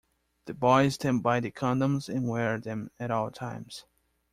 The boys then buy the condoms and wear them at all times.